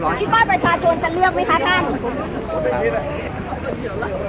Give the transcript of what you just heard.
พิมพ์บ้านประชาชนจะเลือกมั้ยคะท่าน